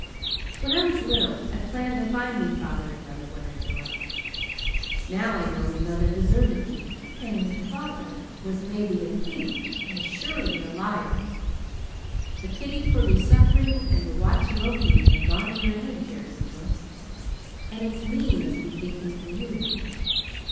When I was little, I planned to find me father and mother when I grew up. Now I know me mother deserted me, and me father was maybe a thief and surely a liar. The pity for me suffering and the watching over me have gone to your head, dear Angel, and it's me must be thinking for you.